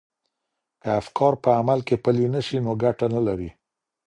که افکار په عمل کي پلي نه سي نو ګټه نه لري.